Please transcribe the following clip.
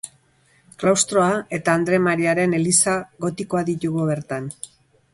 Klaustroa eta Andre Mariaren Eliza gotikoa ditugu bertan.